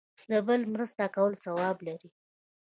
د بل مرسته کول ثواب لري